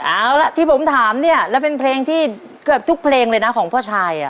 เอาล่ะที่ผมถามเนี่ยแล้วเป็นเพลงที่เกือบทุกเพลงเลยนะของพ่อชาย